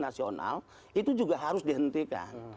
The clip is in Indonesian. nasional itu juga harus dihentikan